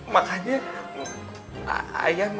makanya ayah minta uang kantor